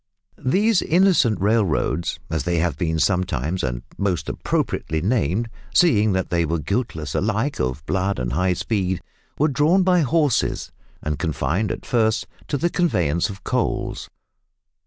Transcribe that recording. These "innocent" railroads as they have been sometimes and most appropriately named, seeing that they were guiltless alike of blood and high speed were drawn by horses, and confined at first to the conveyance of coals.